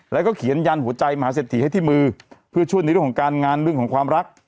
แล้วก็เขียนยันหัวใจมหาเศรษฐีให้ที่มือเพื่อช่วยในเรื่องของการงานเรื่องของความรัก